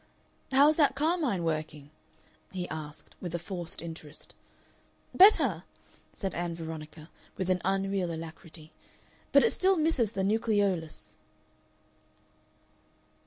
"How is that carmine working?" he asked, with a forced interest. "Better," said Ann Veronica, with an unreal alacrity. "But it still misses the nucleolus."